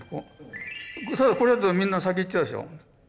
ただこれだとみんな先いっちゃうでしょ。